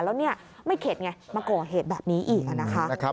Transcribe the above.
แล้วเนี่ยไม่เข็ดไงมาก่อเหตุแบบนี้อีกนะคะ